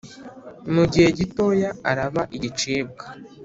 mu gihe gitoya araba igicibwa